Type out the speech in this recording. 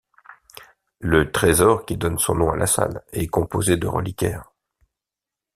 Le trésor, qui donne son nom à la salle, est composé de reliquaires.